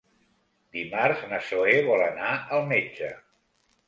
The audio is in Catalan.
Dimarts na Zoè vol anar al metge.